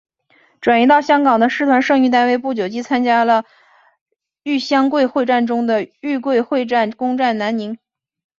转移到香港的师团剩余单位不久即参加了豫湘桂会战中的湘桂会战攻占南宁。